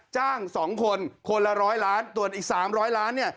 จ้าง๒คนคนละ๑๐๐ล้านส่วนอีก๓๐๐ล้านเนี่ย